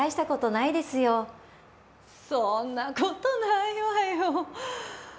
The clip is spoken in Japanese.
そんなことないわよ。